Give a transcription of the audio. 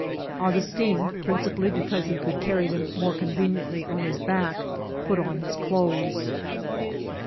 Augustin, principally because he could carry them more conveni^itly on his back, put on his clothes.